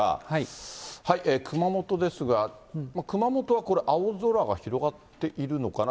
熊本ですが、熊本は青空が広がっているのかな。